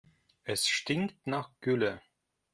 Es stinkt nach Gülle.